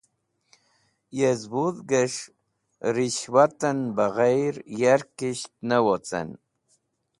Yez Wudhges̃h Rishwaten Baghair yarkisht ne wocen